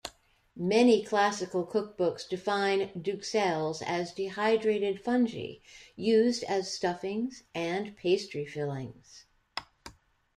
Many classical cookbooks define duxelles as dehydrated fungi, used as stuffings and pastry fillings.